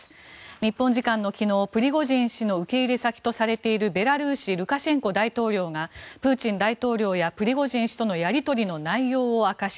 日本時間の昨日プリゴジン氏の受け入れ先とされているベラルーシルカシェンコ大統領がプーチン大統領やプリゴジン氏とのやり取りの内容を明かし